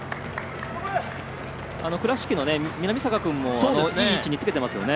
倉敷の南坂君もいい位置につけていますね。